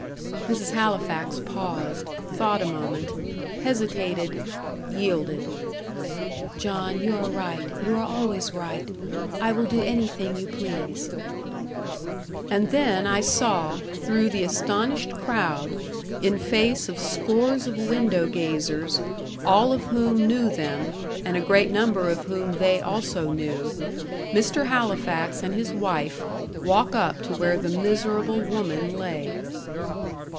Mrs. Halifax paused, thought a moment, hesitated yielded. "John, you are right; you are always right. I will do anything you please." And then I saw, through the astonished crowd, in face of scores of window gazers, all of whom knew them, and a great number of whom they also knew, Mr. Halifax and his wife walk up to where the miserable woman lay.